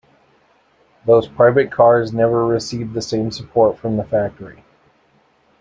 Those private cars never received the same support from the factory.